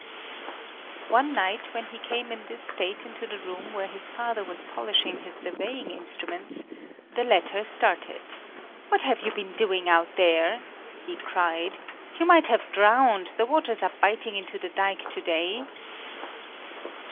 One night when he came in this state into the room where his father was polishing his surveying instruments, the latter started. "What have you been doing out there?" he cried, "You might have drowned; the waters are biting into the dike to day."